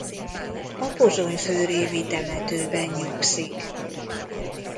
A pozsony-főrévi temetőben nyugszik.